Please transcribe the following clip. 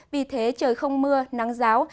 vì thế trời không mưa nắng giáo